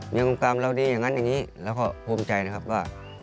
ในวงกรรมเราดีอย่างนั้นอย่างนี้แล้วก็ภูมิใจนะครับว่า